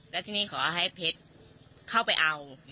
และที่นี่เขาให้เพชรเด็กเอาไปเอา